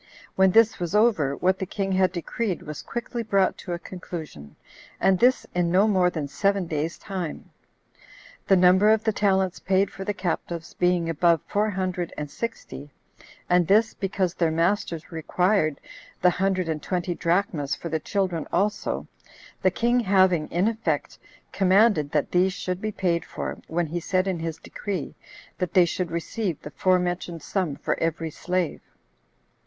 When this was over, what the king had decreed was quickly brought to a conclusion; and this in no more than seven days' time, the number of the talents paid for the captives being above four hundred and sixty, and this, because their masters required the [hundred and] twenty drachmas for the children also, the king having, in effect, commanded that these should be paid for, when he said in his decree, that they should receive the forementioned sum for every slave.